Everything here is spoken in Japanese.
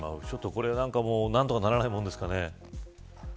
これは何とかならないものですかね。